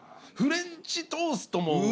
フレンチトーストも。